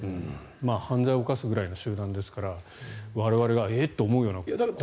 犯罪を犯すぐらいの集団ですから我々がえ？と思うようなことをやるという。